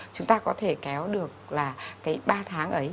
chúng ta có thể kéo được ba tháng ấy